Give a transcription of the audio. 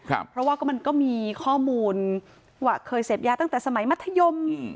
เพราะว่าก็มันก็มีข้อมูลว่าเคยเสพยาตั้งแต่สมัยมัธยม